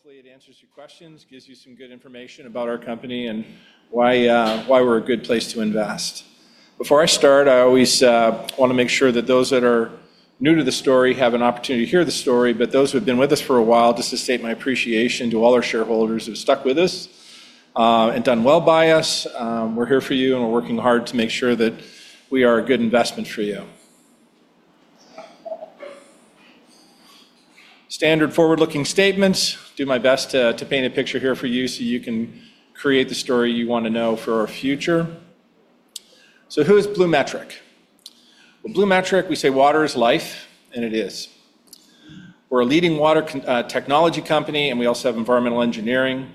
Hopefully, it answers your questions, gives you some good information about our company and why we're a good place to invest. Before I start, I always want to make sure that those that are new to the story have an opportunity to hear the story, but those who have been with us for a while, just to state my appreciation to all our shareholders who have stuck with us and done well by us. We're here for you, and we're working hard to make sure that we are a good investment for you. Standard forward-looking statements. I will do my best to paint a picture here for you so you can create the story you want to know for our future. Who is BluMetric? BluMetric, we say water is life, and it is. We're a leading water technology company, and we also have environmental engineering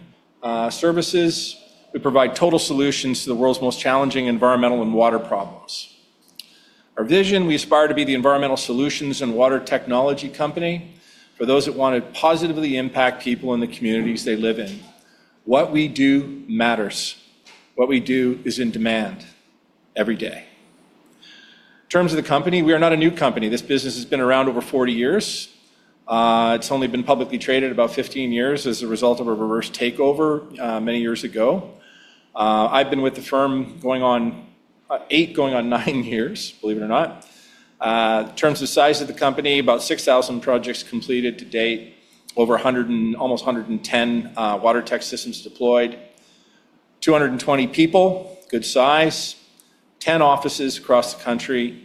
services. We provide total solutions to the world's most challenging environmental and water problems. Our vision, we aspire to be the environmental solutions and water technology company for those that want to positively impact people in the communities they live in. What we do matters. What we do is in demand every day. In terms of the company, we are not a new company. This business has been around over 40 years. It's only been publicly traded about 15 years as a result of a reverse takeover many years ago. I've been with the firm going on eight, going on nine years, believe it or not. In terms of the size of the company, about 6,000 projects completed to date, over 100 and almost 110 water tech systems deployed, 220 people, good size, 10 offices across the country,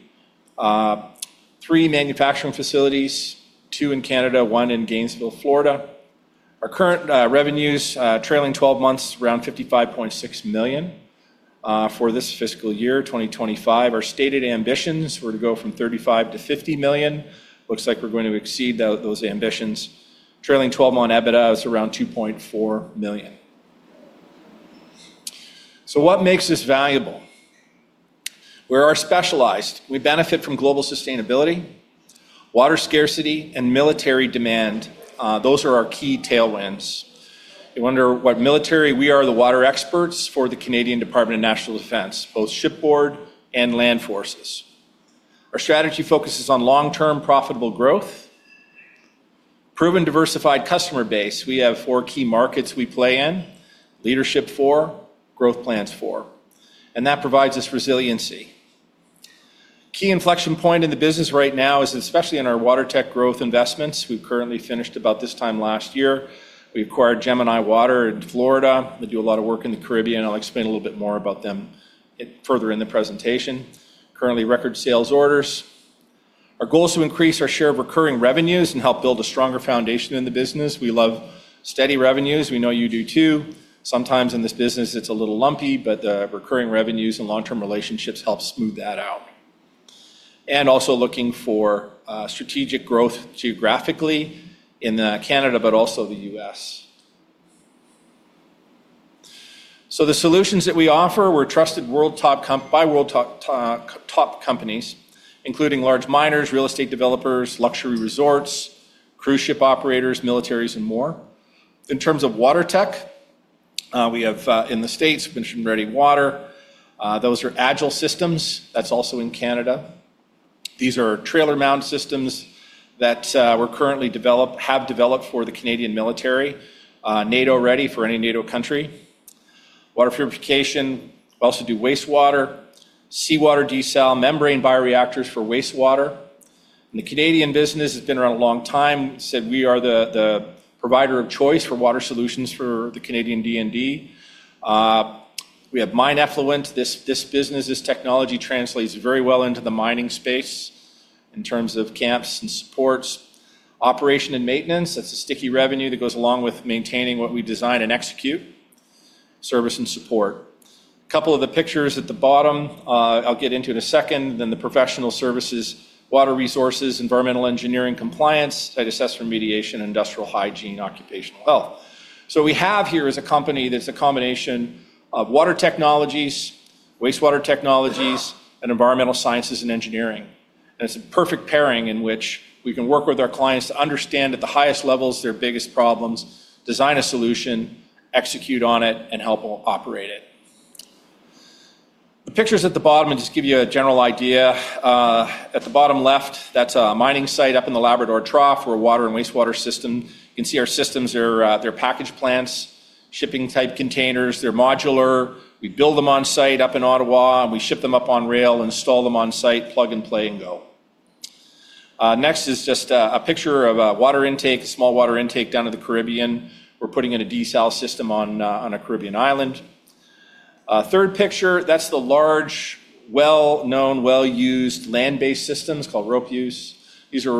three manufacturing facilities, two in Canada, one in Gainesville, Florida. Our current revenues trailing 12 months around 55.6 million for this fiscal year, 2025. Our stated ambitions were to go from 35 to 50 million. Looks like we're going to exceed those ambitions. Trailing 12 months EBITDA is around 2.4 million. What makes us valuable? We are specialized. We benefit from global sustainability, water scarcity, and military demand. Those are our key tailwinds. You wonder what military. We are the water experts for the Canadian Department of National Defence, both shipboard and land forces. Our strategy focuses on long-term profitable growth, proven diversified customer base. We have four key markets we play in: leadership, four growth plans, four, and that provides us resiliency. Key inflection point in the business right now is especially in our water tech growth investments. We've currently finished about this time last year. We acquired Gemini Water in Florida. We do a lot of work in the Caribbean. I'll explain a little bit more about them further in the presentation. Currently, record sales orders. Our goal is to increase our share of recurring revenues and help build a stronger foundation in the business. We love steady revenues. We know you do too. Sometimes in this business, it's a little lumpy, but the recurring revenues and long-term relationships help smooth that out. Also looking for strategic growth geographically in Canada, but also the U.S. The solutions that we offer, we're trusted by world top companies, including large miners, real estate developers, luxury resorts, cruise ship operators, militaries, and more. In terms of water tech, we have in the States, Mision Ready Water. Those are agile systems. That's also in Canada. These are trailer mount systems that we currently develop, have developed for the Canadian military, NATO-ready for any NATO country. Water purification. We also do wastewater, seawater desal, membrane bioreactors for wastewater. The Canadian business has been around a long time. We said we are the provider of choice for water solutions for the Canadian DND. We have mine effluent. This business, this technology translates very well into the mining space in terms of camps and supports, operation and maintenance. That's a sticky revenue that goes along with maintaining what we design and execute, service and support. A couple of the pictures at the bottom I'll get into in a second. The professional services, water resources, environmental engineering, compliance, site assessment, remediation, industrial hygiene, occupational health. We have here as a company that's a combination of water technologies, wastewater technologies, and environmental sciences and engineering. It's a perfect pairing in which we can work with our clients to understand at the highest levels their biggest problems, design a solution, execute on it, and help operate it. The pictures at the bottom just give you a general idea. At the bottom left, that's a mining site up in the Labrador Trough for a water and wastewater system. You can see our systems there. They're packaged plants, shipping type containers. They're modular. We build them on site up in Ottawa, and we ship them up on rail, install them on site, plug and play, and go. Next is just a picture of a water intake, a small water intake down to the Caribbean. We're putting in a desal system on a Caribbean island. Third picture, that's the large, well-known, well-used land-based systems called ROWPUs. These are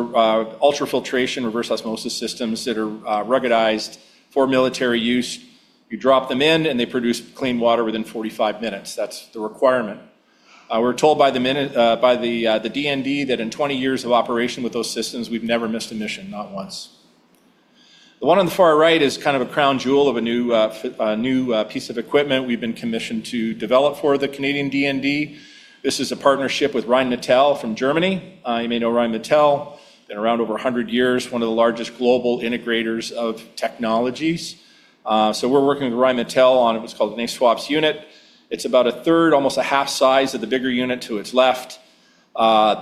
ultra-filtration reverse osmosis systems that are ruggedized for military use. You drop them in, and they produce clean water within 45 minutes. That's the requirement. We're told by the DND that in 20 years of operation with those systems, we've never missed a mission, not once. The one on the far right is kind of a crown jewel of a new piece of equipment we've been commissioned to develop for the Canadian DND. This is a partnership with Rheinmetall from Germany. You may know Rheinmetall, been around over 100 years, one of the largest global integrators of technologies. We're working with Rheinmetall on what's called an ASUWPS unit. It's about 1/3, almost 1/2 size of the bigger unit to its left,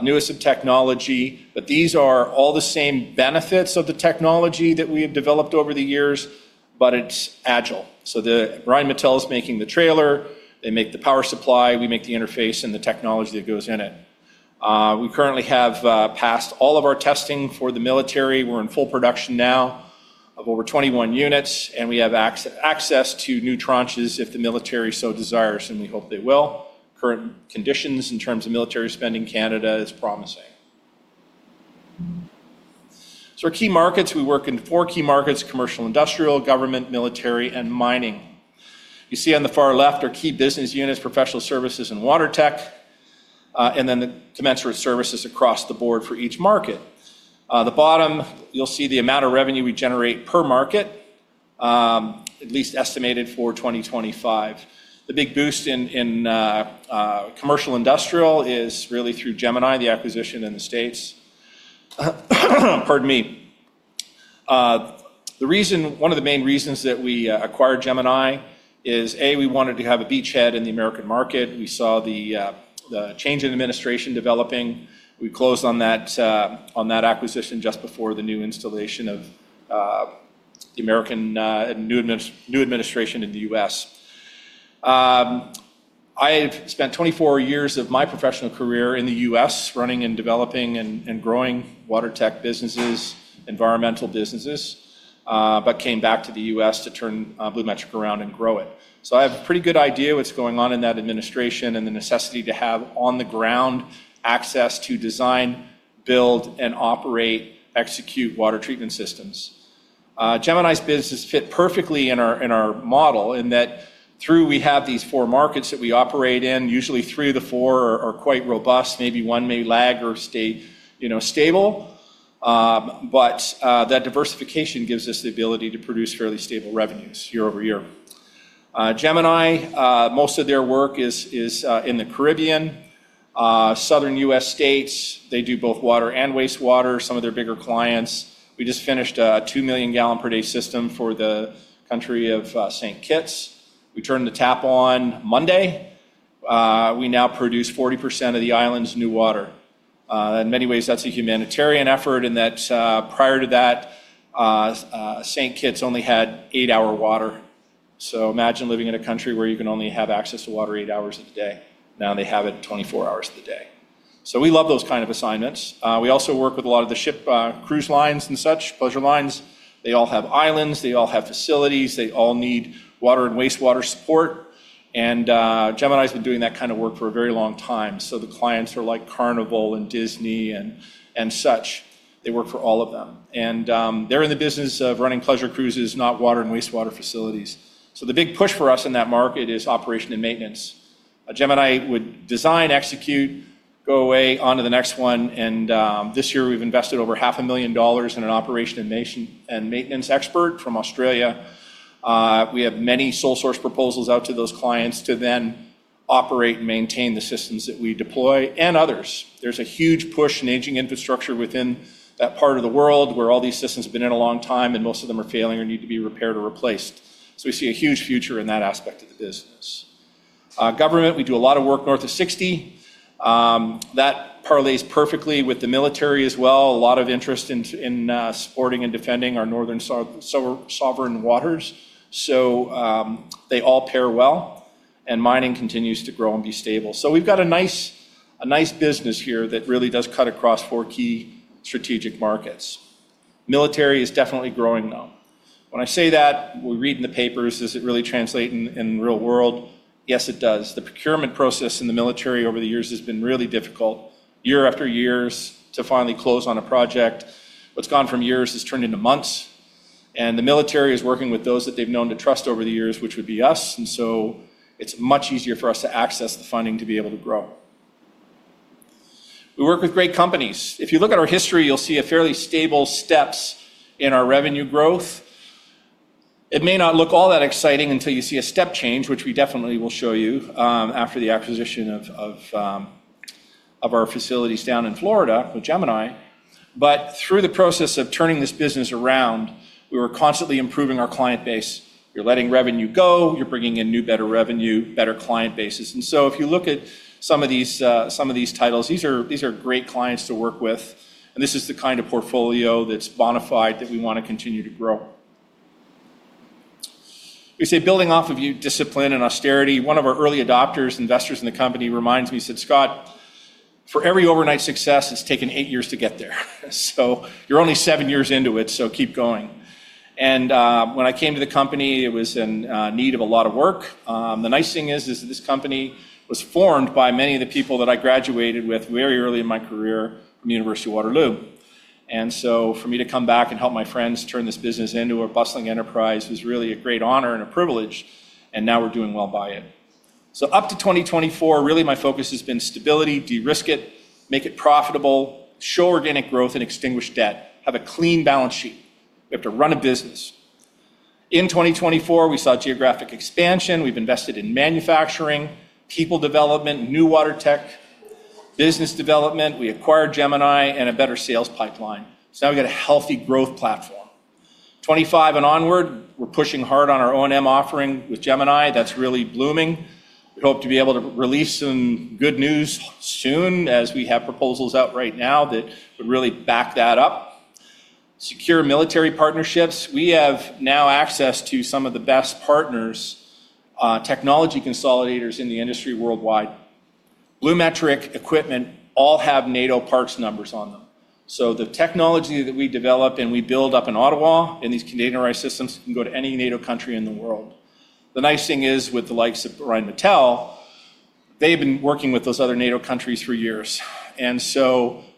newest in technology. These are all the same benefits of the technology that we have developed over the years, but it's agile. Rheinmetall is making the trailer. They make the power supply. We make the interface and the technology that goes in it. We currently have passed all of our testing for the military. We're in full production now of over 21 units, and we have access to new tranches if the military so desires, and we hope they will. Current conditions in terms of military spending in Canada is promising. Our key markets, we work in four key markets: commercial, industrial, government, military, and mining. You see on the far left are key business units, professional services, and water tech, and then the commensurate services across the board for each market. At the bottom, you'll see the amount of revenue we generate per market, at least estimated for 2025. The big boost in commercial industrial is really through Gemini, the acquisition in the States. The reason, one of the main reasons that we acquired Gemini is, A, we wanted to have a beachhead in the American market. We saw the change in administration developing. We closed on that acquisition just before the new installation of the American and new administration in the U.S. I've spent 24 years of my professional career in the U.S. running and developing and growing water tech businesses, environmental businesses, but came back to the U.S. to turn BluMetric around and grow it. I have a pretty good idea of what's going on in that administration and the necessity to have on-the-ground access to design, build, and operate, execute water treatment systems. Gemini's business fit perfectly in our model in that we have these four markets that we operate in, usually the four are quite robust. Maybe one may lag or stay stable, but that diversification gives us the ability to produce fairly stable revenues year over year. Gemini, most of their work is in the Caribbean, southern U.S. states. They do both water and wastewater, some of their bigger clients. We just finished a 2 million gal per day system for the country of St. Kitts. We turned the tap on Monday. We now produce 40% of the island's new water. In many ways, that's a humanitarian effort in that prior to that, St. Kitts only had eight-hour water. Imagine living in a country where you can only have access to water eight hours a day. Now they have it 24 hours of the day. We love those kind of assignments. We also work with a lot of the ship cruise lines and such, pleasure lines. They all have islands. They all have facilities. They all need water and wastewater support. Gemini has been doing that kind of work for a very long time. The clients are like Carnival and Disney and such. They work for all of them. They're in the business of running pleasure cruises, not water and wastewater facilities. The big push for us in that market is operation and maintenance. Gemini would design, execute, go away onto the next one. This year, we've invested over 0.5 million dollars in an operation and maintenance expert from Australia. We have many sole source proposals out to those clients to then operate and maintain the systems that we deploy and others. There's a huge push in aging infrastructure within that part of the world where all these systems have been in a long time and most of them are failing or need to be repaired or replaced. We see a huge future in that aspect of the business. Government, we do a lot of work north of 60. That parlays perfectly with the military as well. A lot of interest in supporting and defending our northern sovereign waters. They all pair well. Mining continues to grow and be stable. We've got a nice business here that really does cut across four key strategic markets. Military is definitely growing, though. When I say that, we read in the papers. Does it really translate in the real world? Yes, it does. The procurement process in the military over the years has been really difficult, year after year, to finally close on a project. What’s gone from years has turned into months. The military is working with those that they’ve known to trust over the years, which would be us. It’s much easier for us to access the funding to be able to grow. We work with great companies. If you look at our history, you’ll see a fairly stable step in our revenue growth. It may not look all that exciting until you see a step change, which we definitely will show you after the acquisition of our facilities down in Florida with Gemini. Through the process of turning this business around, we were constantly improving our client base. You’re letting revenue go, you’re bringing in new, better revenue, better client bases. If you look at some of these titles, these are great clients to work with. This is the kind of portfolio that’s bona fide that we want to continue to grow. We say building off of discipline and austerity. One of our early adopters, investors in the company, reminds me, he said, “Scott, for every overnight success, it’s taken eight years to get there. You’re only seven years into it, so keep going.” When I came to the company, it was in need of a lot of work. The nice thing is that this company was formed by many of the people that I graduated with very early in my career from the University of Waterloo. For me to come back and help my friends turn this business into a bustling enterprise was really a great honor and a privilege. Now we’re doing well by it. Up to 2024, really my focus has been stability, de-risk it, make it profitable, show organic growth, and extinguish debt, have a clean balance sheet. We have to run a business. In 2024, we saw geographic expansion. We’ve invested in manufacturing, people development, new water tech, business development. We acquired Gemini and a better sales pipeline. Now we’ve got a healthy growth platform. 2025 and onward, we’re pushing hard on our O&M offering with Gemini. That’s really blooming. We hope to be able to release some good news soon as we have proposals out right now that would really back that up. Secure military partnerships. We have now access to some of the best partners, technology consolidators in the industry worldwide. BluMetric equipment all have NATO parts numbers on them. The technology that we develop and we build up in Ottawa in these containerized systems can go to any NATO country in the world. The nice thing is, with the likes of Rheinmetall, they've been working with those other NATO countries for years.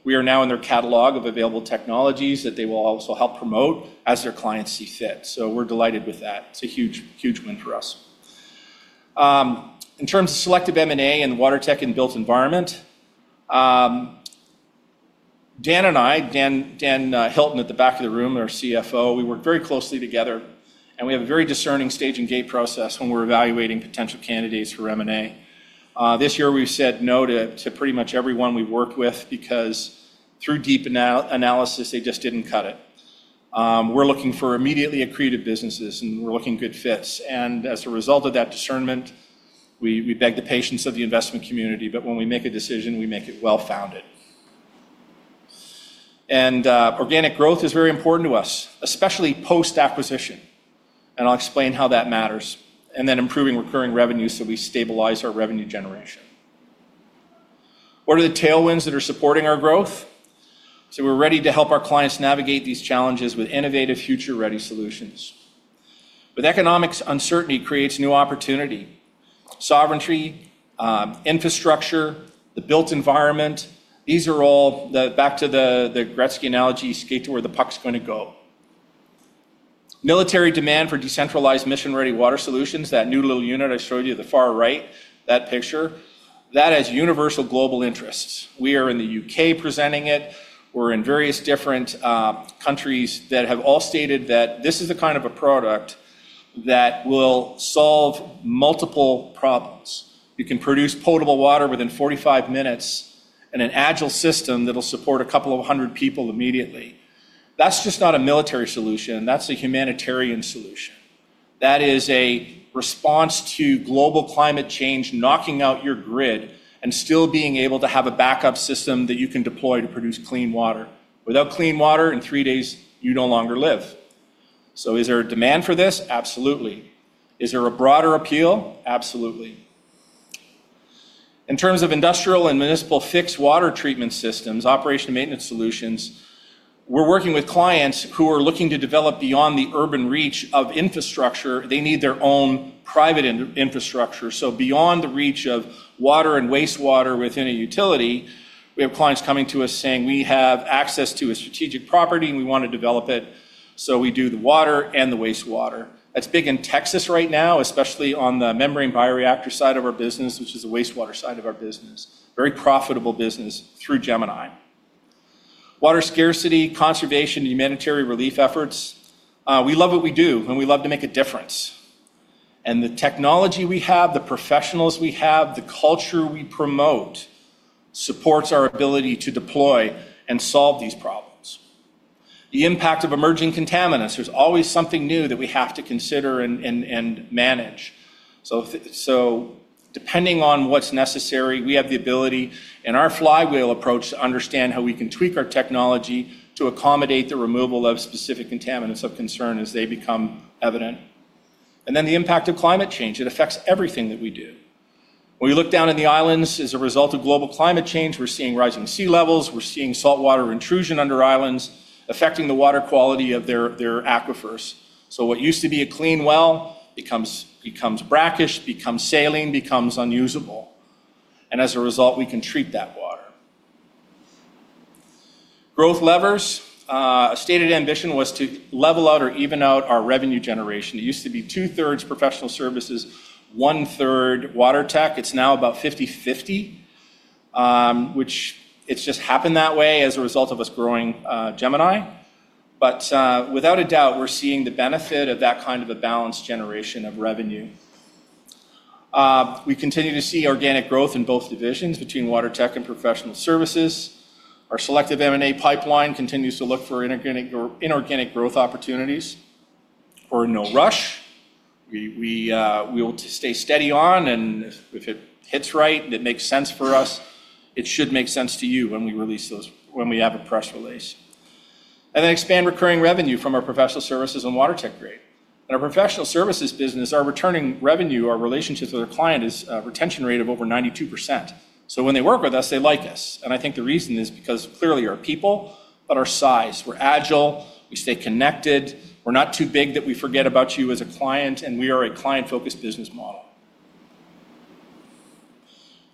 We are now in their catalog of available technologies that they will also help promote as their clients see fit. We're delighted with that. It's a huge, huge win for us. In terms of selective M&A in water tech and built environment, Dan and I, Dan Hilton at the back of the room, our CFO, we work very closely together, and we have a very discerning stage and gate process when we're evaluating potential candidates for M&A. This year, we've said no to pretty much everyone we work with because through deep analysis, they just didn't cut it. We're looking for immediately accretive businesses, and we're looking at good fits. As a result of that discernment, we beg the patience of the investment community. When we make a decision, we make it well-founded. Organic growth is very important to us, especially post-acquisition. I'll explain how that matters. Improving recurring revenue so we stabilize our revenue generation. What are the tailwinds that are supporting our growth? We're ready to help our clients navigate these challenges with innovative, future-ready solutions. With economics, uncertainty creates new opportunity. Sovereignty, infrastructure, the built environment, these are all back to the Gretzky analogy, skate to where the puck's going to go. Military demand for decentralized mission-ready water solutions, that new little unit I showed you at the far right, that picture, that has universal global interests. We are in the U.K. presenting it. We're in various different countries that have all stated that this is the kind of a product that will solve multiple problems. You can produce potable water within 45 minutes in an agile system that'll support a couple of hundred people immediately. That's just not a military solution. That's a humanitarian solution. That is a response to global climate change knocking out your grid and still being able to have a backup system that you can deploy to produce clean water. Without clean water, in three days, you no longer live. Is there a demand for this? Absolutely. Is there a broader appeal? Absolutely. In terms of industrial and municipal fixed water treatment systems, operation and maintenance solutions, we're working with clients who are looking to develop beyond the urban reach of infrastructure. They need their own private infrastructure. Beyond the reach of water and wastewater within a utility, we have clients coming to us saying, "We have access to a strategic property, and we want to develop it." We do the water and the wastewater. That's big in Texas right now, especially on the membrane bioreactor side of our business, which is the wastewater side of our business. Very profitable business through Gemini. Water scarcity, conservation, and humanitarian relief efforts. We love what we do, and we love to make a difference. The technology we have, the professionals we have, the culture we promote supports our ability to deploy and solve these problems. The impact of emerging contaminants, there's always something new that we have to consider and manage. Depending on what's necessary, we have the ability in our flywheel approach to understand how we can tweak our technology to accommodate the removal of specific contaminants of concern as they become evident. The impact of climate change affects everything that we do. When we look down in the islands, as a result of global climate change, we're seeing rising sea levels. We're seeing saltwater intrusion under islands affecting the water quality of their aquifers. What used to be a clean well becomes brackish, becomes saline, becomes unusable. As a result, we can treat that water. Growth levers. A stated ambition was to level out or even out our revenue generation. It used to be 2/3 professional services, 1/3 water tech. It's now about 50/50, which it's just happened that way as a result of us growing Gemini. Without a doubt, we're seeing the benefit of that kind of a balanced generation of revenue. We continue to see organic growth in both divisions between water tech and professional services. Our selective M&A pipeline continues to look for inorganic growth opportunities. We're in no rush. We will stay steady on, and if it hits right and it makes sense for us, it should make sense to you when we release those, when we have a press release. Expand recurring revenue from our professional services and water tech grade. In our professional services business, our recurring revenue, our relationships with our client is a retention rate of over 92%. When they work with us, they like us. I think the reason is because clearly our people, but our size, we're agile, we stay connected, we're not too big that we forget about you as a client, and we are a client-focused business model.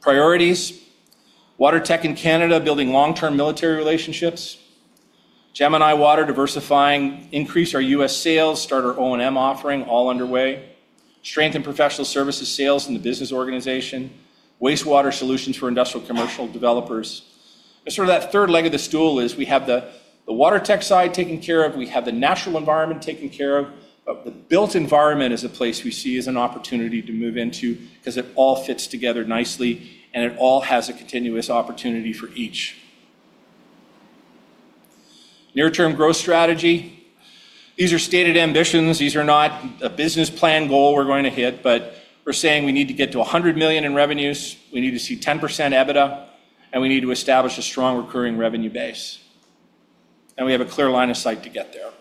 Priorities: water tech in Canada, building long-term military relationships, Gemini Water diversifying, increase our U.S. sales, start our operation and maintenance offering all underway, strengthen professional services sales in the business organization, wastewater solutions for industrial commercial developers. That third leg of the stool is we have the water tech side taken care of. We have the natural environment taken care of. The built environment is a place we see as an opportunity to move into because it all fits together nicely, and it all has a continuous opportunity for each. Near-term growth strategy. These are stated ambitions. These are not a business plan goal we're going to hit, but we're saying we need to get to 100 million in revenues. We need to see 10% EBITDA, and we need to establish a strong recurring revenue base. We have a clear line of sight to get there.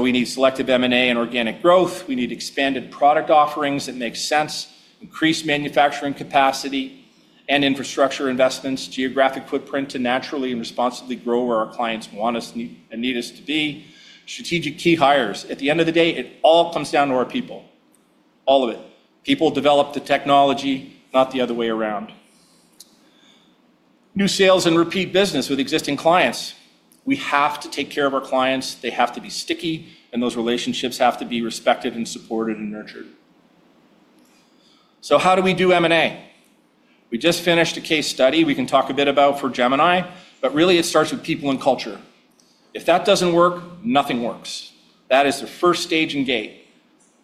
We need selective M&A and organic growth. We need expanded product offerings that make sense, increased manufacturing capacity and infrastructure investments, geographic footprint to naturally and responsibly grow where our clients want us and need us to be, strategic key hires. At the end of the day, it all comes down to our people, all of it. People develop the technology, not the other way around. New sales and repeat business with existing clients. We have to take care of our clients. They have to be sticky, and those relationships have to be respected and supported and nurtured. How do we do M&A? We just finished a case study we can talk a bit about for Gemini, but really it starts with people and culture. If that doesn't work, nothing works. That is the first stage and gate.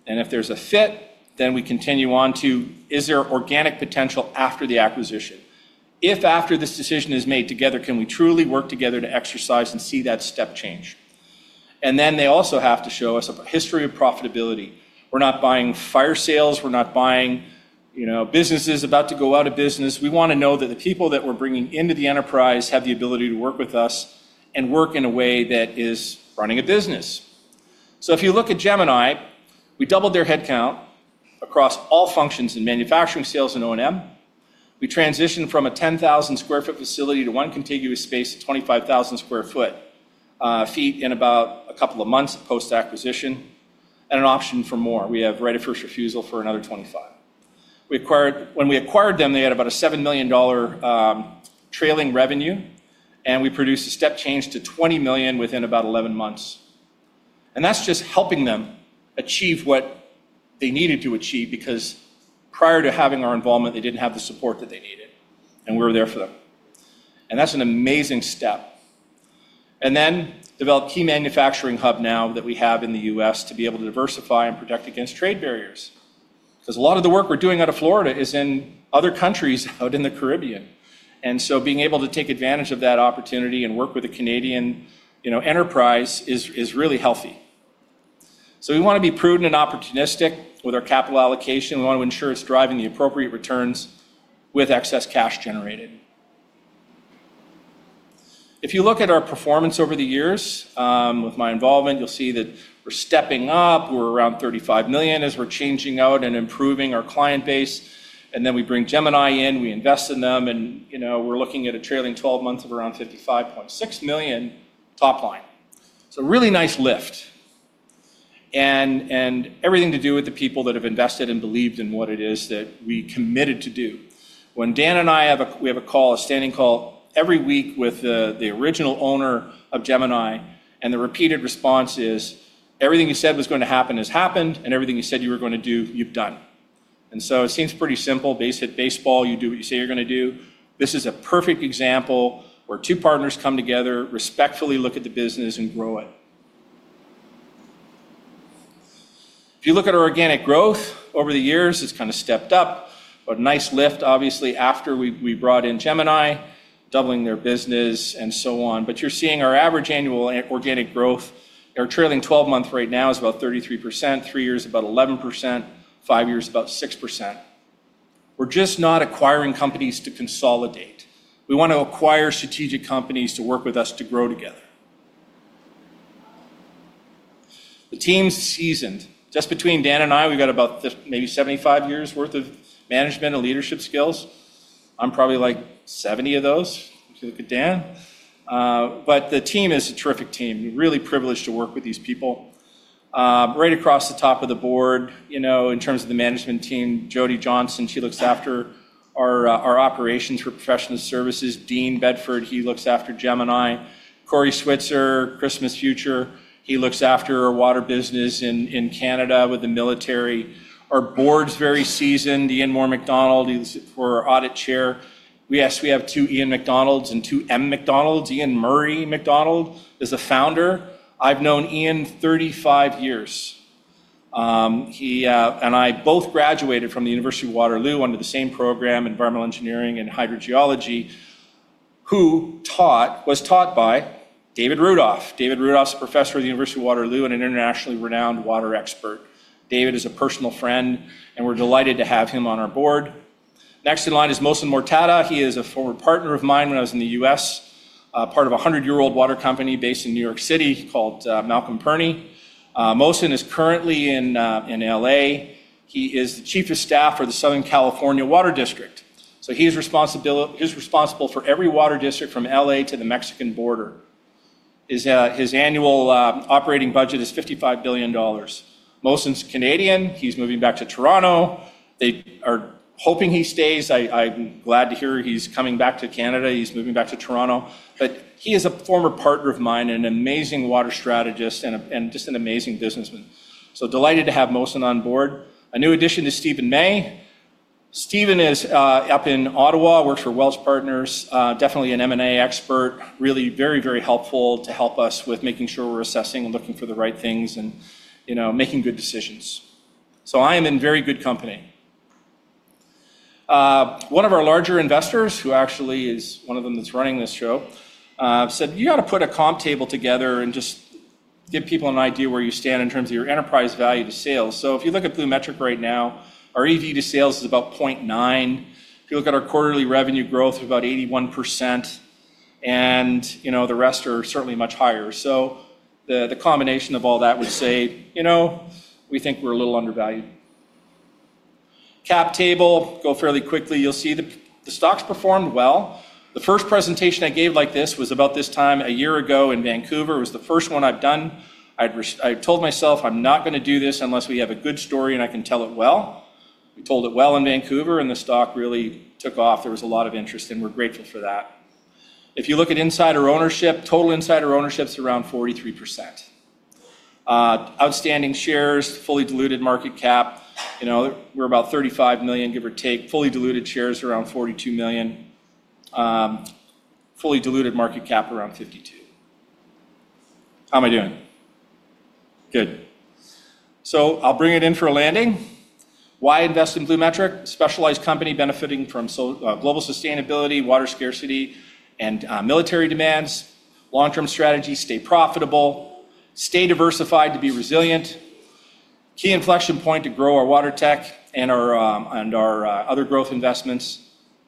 If there's a fit, then we continue on to is there organic potential after the acquisition? If after this decision is made together, can we truly work together to exercise and see that step change? They also have to show us a history of profitability. We're not buying fire sales. We're not buying businesses about to go out of business. We want to know that the people that we're bringing into the enterprise have the ability to work with us and work in a way that is running a business. If you look at Gemini, we doubled their headcount across all functions in manufacturing, sales, and O&M. We transitioned from a 10,000 sq ft facility to one contiguous space, 25,000 sq ft in about a couple of months post-acquisition, and an option for more. We have right of first refusal for another 25,000 sq ft. When we acquired them, they had about a 7 million dollar trailing revenue, and we produced a step change to 20 million within about 11 months. That's just helping them achieve what they needed to achieve because prior to having our involvement, they didn't have the support that they needed, and we were there for them. That's an amazing step. We then developed a key manufacturing hub now that we have in the U.S. to be able to diversify and protect against trade barriers because a lot of the work we're doing out of Florida is in other countries out in the Caribbean. Being able to take advantage of that opportunity and work with a Canadian enterprise is really healthy. We want to be prudent and opportunistic with our capital allocation. We want to ensure it's driving the appropriate returns with excess cash generated. If you look at our performance over the years with my involvement, you'll see that we're stepping up. We're around 35 million as we're changing out and improving our client base. We bring Gemini in, we invest in them, and we're looking at a trailing 12 months of around 55.6 million top line. A really nice lift. Everything to do with the people that have invested and believed in what it is that we committed to do. When Dan and I have, we have a call, a standing call every week with the original owner of Gemini, and the repeated response is, "Everything you said was going to happen has happened, and everything you said you were going to do, you've done." It seems pretty simple. Base hit baseball. You do what you say you're going to do. This is a perfect example where two partners come together, respectfully look at the business and grow it. If you look at our organic growth over the years, it's kind of stepped up, but a nice lift, obviously, after we brought in Gemini, doubling their business and so on. You're seeing our average annual organic growth. Our trailing 12 months right now is about 33%. Three years is about 11%. Five years is about 6%. We're just not acquiring companies to consolidate. We want to acquire strategic companies to work with us to grow together. The team's seasoned. Just between Dan and I, we've got about maybe 75 years' worth of management and leadership skills. I'm probably like 70 of those if you look at Dan. The team is a terrific team. We're really privileged to work with these people. Right across the top of the board, in terms of the management team, Jodi Johnson, she looks after our operations for professional services. Dean Bedford, he looks after Gemini. Corey Switzer, Christmas Future, he looks after our water business in Canada with the military. Our board's very seasoned. Ian Mor Macdonald, he's our audit chair. Yes, we have two Ian McDonalds and two M. Maconalds. Ian Murray Macdonald is the founder. I've known Ian 35 years. He and I both graduated from the University of Waterloo under the same program, Environmental Engineering and Hydrogeology, which was taught by David Rudolph. David Rudolph's a professor at the University of Waterloo and an internationally renowned water expert. David is a personal friend, and we're delighted to have him on our board. Next in line is Mohsen Mortada. He is a former partner of mine when I was in the U.S., part of a 100-year-old water company based in New York City called Malcolm Pirnie. Mohsen is currently in L.A. He is the Chief of Staff for the Southern California Water District. He's responsible for every water district from L.A. to the Mexican border. His annual operating budget is 55 billion dollars. Mohsen's Canadian, he's moving back to Toronto. They are hoping he stays. I'm glad to hear he's coming back to Canada. He's moving back to Toronto. He is a former partner of mine and an amazing water strategist and just an amazing businessman. Delighted to have Mohsen on board. A new addition is Stephan May. Stephan is up in Ottawa, works for Welch Partners, definitely an M&A expert, really very, very helpful to help us with making sure we're assessing and looking for the right things and making good decisions. I am in very good company. One of our larger investors, who actually is one of them that's running this show, said, "You got to put a comp table together and just give people an idea of where you stand in terms of your enterprise value to sales." If you look at BluMetric right now, our EV to sales is about 0.9x. If you look at our quarterly revenue growth, we're about 81%, and the rest are certainly much higher. The combination of all that would say, you know, we think we're a little undervalued. Cap table, go fairly quickly. You'll see the stock's performed well. The first presentation I gave like this was about this time a year ago in Vancouver. It was the first one I've done. I told myself, "I'm not going to do this unless we have a good story and I can tell it well." We told it well in Vancouver, and the stock really took off. There was a lot of interest, and we're grateful for that. If you look at insider ownership, total insider ownership is around 43%. Outstanding shares, fully diluted market cap. We're about 35 million, give or take. Fully diluted shares around 42 million. Fully diluted market cap around 52 million. How am I doing? Good. I'll bring it in for a landing. Why invest in BluMetric? Specialized company benefiting from global sustainability, water scarcity, and military demands. Long-term strategy, stay profitable, stay diversified to be resilient. Key inflection point to grow our water tech and our other growth investments.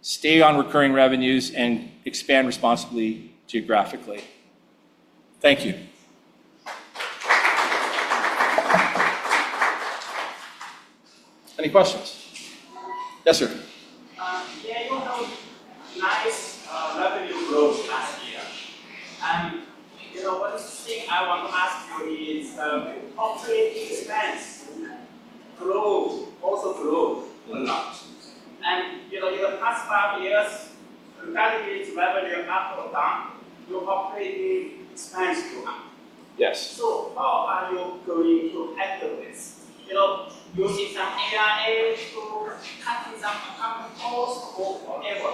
Stay on recurring revenues and expand responsibly geographically. Thank you. Any questions? Yes, sir. Nothing has grown last year. One thing I want to ask you is, operating expense grows, also grows a lot. In the past five years, you're evaluating revenue up or down. Your operating expense grew. Yes. How are you going to handle this? You need some AI to cut in some accounting cost or whatever.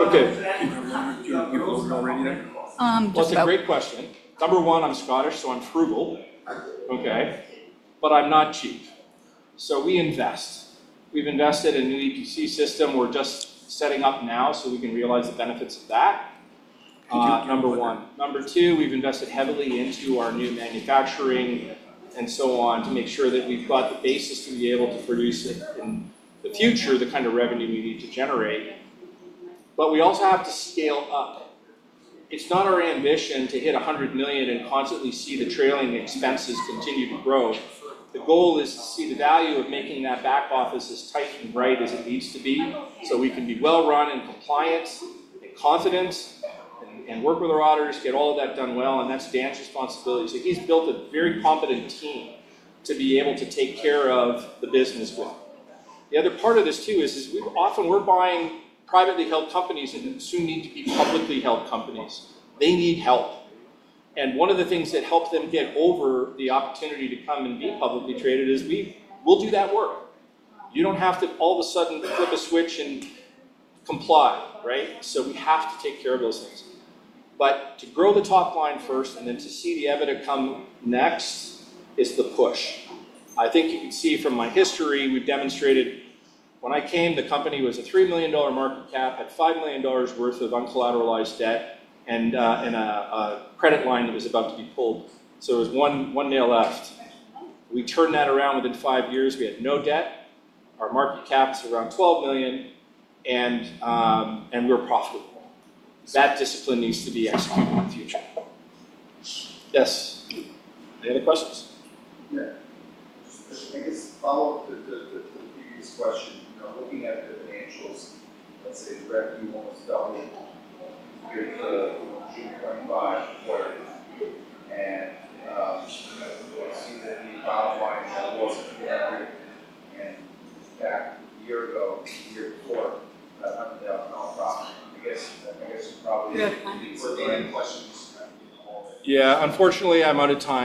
Okay. Cut in your gross revenue cost. That's a great question. Number one, I'm Scottish, so I'm frugal. Okay, but I'm not cheap. We invest. We've invested in a new EPC system we're just setting up now so we can realize the benefits of that. Number one. Number two, we've invested heavily into our new manufacturing and so on to make sure that we've got the basis to be able to produce in the future the kind of revenue we need to generate. We also have to scale up. It's not our ambition to hit 100 million and constantly see the trailing expenses continue to grow. The goal is to see the value of making that back office as tight and right as it needs to be so we can be well run in compliance and confidence and work with our auditors, get all of that done well. That's Dan's responsibility. He's built a very competent team to be able to take care of the business well. The other part of this, too, is we often are buying privately held companies and soon need to be publicly held companies. They need help. One of the things that helped them get over the opportunity to come and be publicly traded is we will do that work. You don't have to all of a sudden flip a switch and comply, right? We have to take care of those things. To grow the top line first and then to see the EBITDA come next is the push. I think you can see from my history, we've demonstrated when I came, the company was a 3 million dollar market cap, had 5 million dollars worth of uncollateralized debt and a credit line that was about to be pulled. It was one nail left. We turned that around within five years. We had no debt. Our market cap is around 12 million, and we're profitable. That discipline needs to be excellent in the future. Yes. Any other questions? Yeah. I guess a follow-up to the previous question. Looking at the financials, let's say the revenue almost doubled compared to June 2025, what it is, and I see that the bottom line now wasn't good. Back a year ago, the year before, about CAD 100,000 profit. I guess you probably need to clarify any questions. Yeah, unfortunately, I'm out of time.